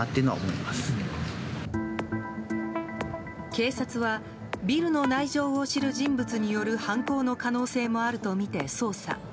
警察はビルの内情を知る人物による犯行の可能性もあるとみて捜査。